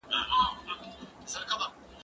زه ليک لوستی دی؟!